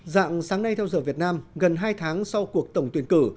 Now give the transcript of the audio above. dạng sáng nay theo giờ việt nam gần hai tháng sau cuộc tổng tuyển cử